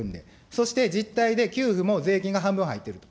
そして実態で給付も税金が半分入ってると。